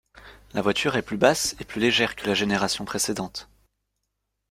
La voiture est plus basse et plus légère que la génération précédente.